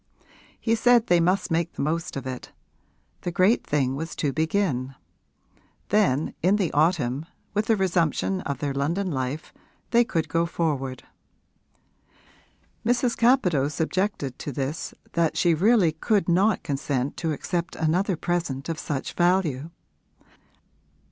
He said they must make the most of it; the great thing was to begin; then in the autumn, with the resumption of their London life, they could go forward. Mrs. Capadose objected to this that she really could not consent to accept another present of such value.